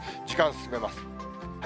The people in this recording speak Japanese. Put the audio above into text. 時間進めます。